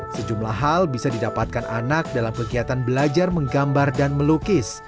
sejumlah hal bisa didapatkan anak dalam kegiatan belajar menggambar dan melukis